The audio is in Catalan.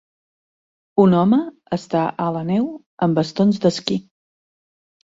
Un home està a la neu amb bastons d'esquí